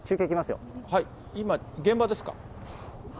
今、現場ですか。